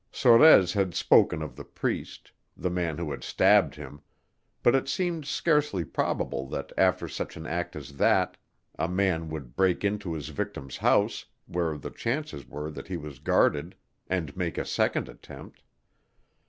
Sorez had spoken of the priest the man who had stabbed him but it seemed scarcely probable that after such an act as that a man would break into his victim's house, where the chances were that he was guarded, and make a second attempt.